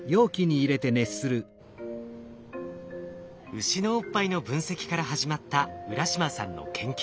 ウシのおっぱいの分析から始まった浦島さんの研究。